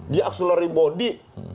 dia akseleri bodi